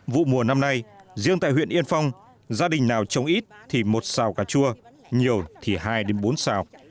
vụ mùa năm nay riêng tại huyện yên phong gia đình nào trồng ít thì một xào cà chua nhiều thì hai bốn xào